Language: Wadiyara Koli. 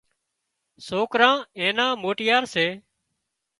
سوڪران اين موٽيار سي